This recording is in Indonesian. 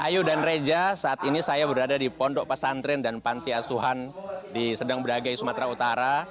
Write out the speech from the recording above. ya ayu dan reza saat ini saya berada di pondok pasantren dan pantiasuhan di sedang beragai sumatera utara